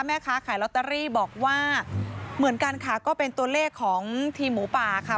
แม่ค้าขายลอตเตอรี่บอกว่าเหมือนกันค่ะก็เป็นตัวเลขของทีมหมูป่าค่ะ